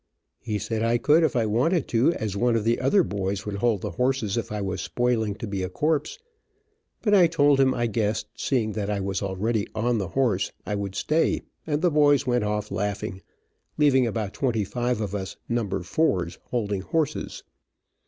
He said I could if I wanted to, as one of the other boys would hold the horses if I was spoiling to be a corpse, but I told him I guessed, seeing that I was already on the horse, I would stay, and the boys went off laughing, leaving about twenty five of us "number fours" holding horses.